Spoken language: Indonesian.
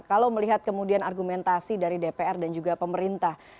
kalau melihat kemudian argumentasi dari dpr dan juga pemerintah